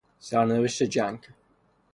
سرنوشت جنگ